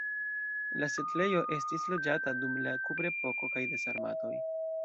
La setlejo estis loĝata dum la kuprepoko kaj de sarmatoj.